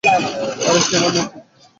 আরে সে আমাদের নাতী।